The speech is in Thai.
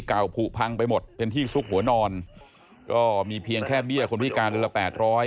เก่าผูพังไปหมดเป็นที่ซุกหัวนอนก็มีเพียงแค่เบี้ยคนพิการเดือนละแปดร้อย